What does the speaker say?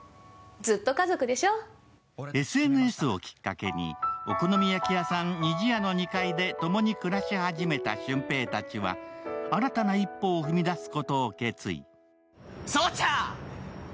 ＳＮＳをきっかけにお好み焼き屋さん、にじやの２階でともに暮らし始めた俊平たちは新たな一歩を踏み出すことを決意。